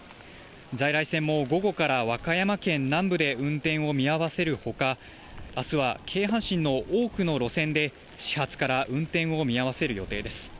在来線も午後から和歌山県南部で運転を見合わせる他、あすは京阪神の多くの路線で始発から運転を見合わせる予定です。